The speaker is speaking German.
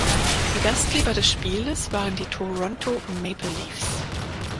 Die Gastgeber des Spieles waren die Toronto Maple Leafs.